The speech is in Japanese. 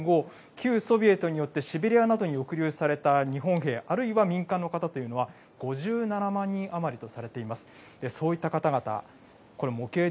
太平洋戦争の終戦後、旧ソビエトによってシベリアなどに抑留された日本兵、あるいは民間の方というのは、５７万人余りとされています。